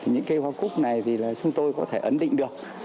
những cây hoa cúc này thì là chúng tôi có thể ấn định được